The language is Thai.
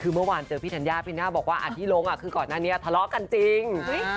คือเมื่อวานเจอพี่ธัญญาพี่น่าบอกว่าที่ลงคือก่อนหน้านี้ทะเลาะกันจริง